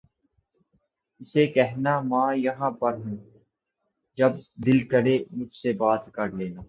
اسے کہنا ماں یہاں پر ہوں جب دل کرے تو مجھ سے بات کر لینا